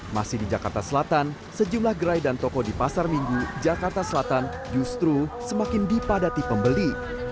masih di jakarta selatan sejumlah gerai dan toko di pasar minggu jakarta selatan justru semakin dipadati pembeli